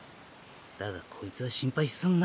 だがこいつは心配すんな